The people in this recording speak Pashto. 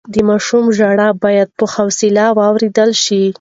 د ماشوم ژړا بايد په حوصله واورېدل شي.